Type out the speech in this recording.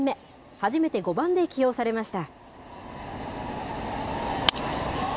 初めて５番で起用されました。